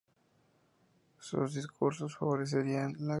Sus discursos favorecían la segregación racial.